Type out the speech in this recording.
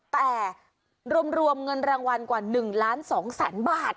แต่รวมเงินรางวัลกว่า๑ล้าน๒แสนบาท